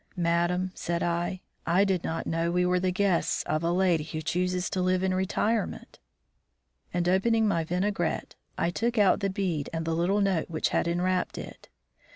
"Madame," said I, "I did not know we were the guests of a lady who chooses to live in retirement." And opening my vinaigrette, I took out the bead and the little note which had enwrapped it.